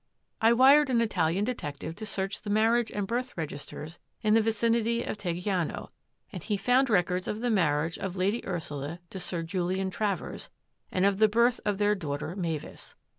" I wired an Italian detective to search the mar riage and birth registers in the vicinity of Teg giano, and he found records of the marriage of Lady Ursula to Sir Julian Travers and of the birth of their daughter. Mavis.